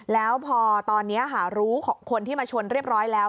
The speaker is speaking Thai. แล้วพอตอนนี้รู้คนที่มาชนเรียบร้อยแล้ว